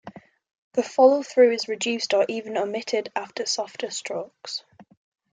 The follow through is reduced or even omitted after softer strokes.